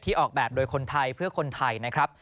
ออกแบบโดยคนไทยเพื่อคนไทยนะครับ